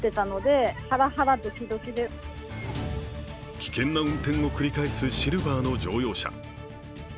危険な運転を繰り返すシルバーの乗用車。